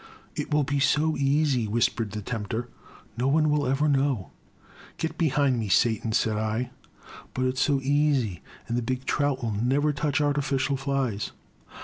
It will be so easy,*' whispered the tempter, " no one will ever know !"'* Get behind me, Satan, said I. But it*s so easy, — and the big trout will never touch artificial flies